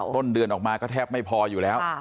ต้นเดือนออกมาก็แทบไม่พออยู่แล้ว